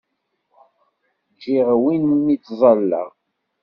Ǧǧiɣ win mi ttẓallaɣ.